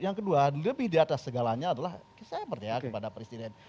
yang kedua lebih di atas segalanya adalah saya percaya kepada presiden